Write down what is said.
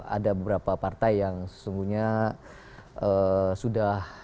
ada beberapa partai yang sesungguhnya sudah